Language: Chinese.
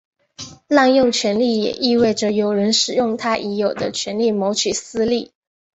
滥用权力也意味着有人使用他已有的权力谋取私利。